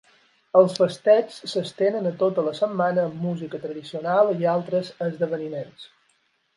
Els festeigs s'estenen a tota la setmana amb música tradicional i altres esdeveniments.